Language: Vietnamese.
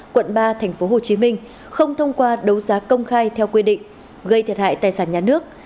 quận ba tp hcm không thông qua đấu giá công khai theo quy định gây thiệt hại tài sản nhà nước